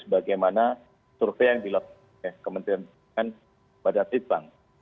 bagaimana survei yang dilakukan kementerian pertama badan tribang